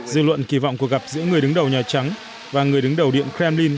dư luận kỳ vọng cuộc gặp giữa người đứng đầu nhà trắng và người đứng đầu điện kremlin